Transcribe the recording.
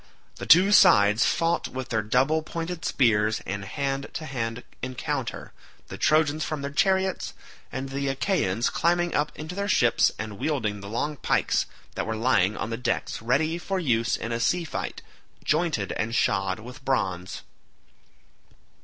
The two sides fought with their double pointed spears in hand to hand encounter the Trojans from their chariots, and the Achaeans climbing up into their ships and wielding the long pikes that were lying on the decks ready for use in a sea fight, jointed and shod with bronze.